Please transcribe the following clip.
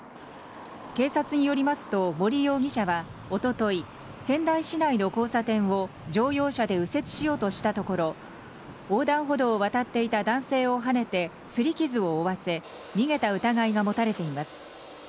警察によりますと、森容疑者はおととい、仙台市内の交差点を乗用車で右折しようとしたところ、横断歩道を渡っていた男性をはねて、すり傷を負わせ、逃げた疑いが持たれています。